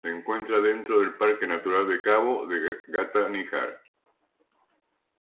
Se encuentra dentro del Parque Natural de Cabo de Gata-Níjar.